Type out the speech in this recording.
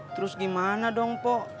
terus gimana dong pok